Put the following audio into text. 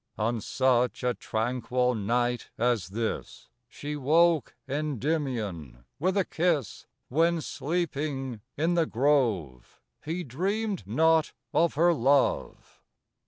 On such a tranquil night as this, io She woke Kndymion with a kis^, When, sleeping in tin grove, He dreamed not of her love.